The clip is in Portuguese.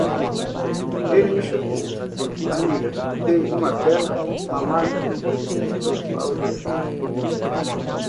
Ele me chupou, amiga. Dei uma bela mamada no pau dele